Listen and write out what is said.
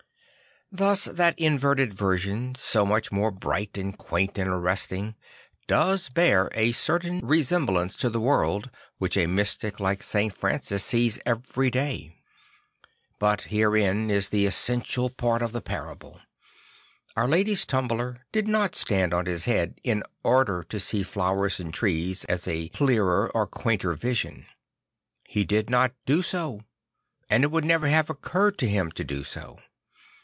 Thus that inverted vision, so much more bright and quaint and arresting, does bear a certain resem 80 St. Francis of Assisi blance to the world which a mystic like St. Francis sees every day. But herein is the essential part of the parable. Our Lady's Tumbler did not stand on his head in order to see flowers and trees as a clearer or quainter vision. He did not do so ; and it would never have occurred to him to do so.